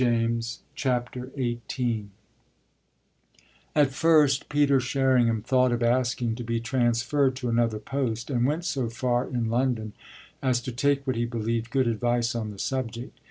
BOOK FOURTH XVIII At first Peter Sherringham thought of asking to be transferred to another post and went so far, in London, as to take what he believed good advice on the subject.